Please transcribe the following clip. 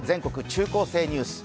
中高生ニュース」。